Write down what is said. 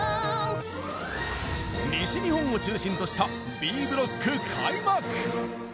西日本を中心としたＢブロック開幕。